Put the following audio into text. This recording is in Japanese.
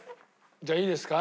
じゃあいいですか？